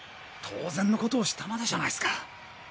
当然のことをしたまでじゃないっすか。